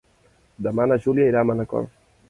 Demà na Júlia irà a Manacor.